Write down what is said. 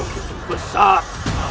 kau itu besar